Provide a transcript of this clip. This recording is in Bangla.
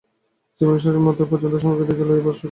জীবনের শেষমুহূর্ত পর্যন্ত স্বামীকে দেখিয়া লইবার সুখ দিলেন না।